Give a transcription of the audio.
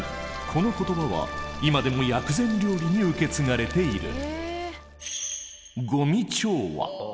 この言葉は今でも薬膳料理に受け継がれている。